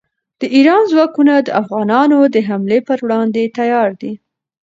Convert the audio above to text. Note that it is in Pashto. د ایران ځواکونه د افغانانو د حملې پر وړاندې تیار دي.